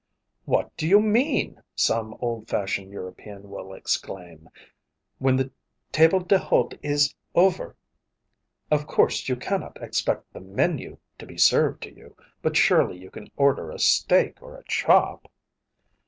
"What do you mean?" some old fashioned European will exclaim. "When the table d'h√īte is over, of course you cannot expect the menu to be served to you; but surely you can order a steak or a chop."